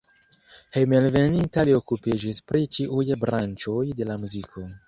Hejmenveninta li okupiĝis pri ĉiuj branĉoj de la muziko.